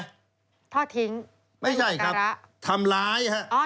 ทอดทิ้งไม่อุปการะไม่ใช่ครับทำร้ายครับ